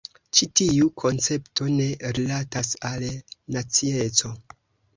Ĉi tiu koncepto ne rilatas al nacieco.